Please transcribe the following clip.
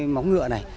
móng ngựa này